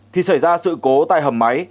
thì xảy ra sự cố tại hầm máy